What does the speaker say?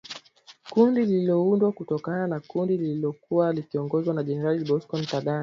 Kundi liliundwa kutokana na kundi lililokuwa likiongozwa na Jenerali Bosco Ntaganda.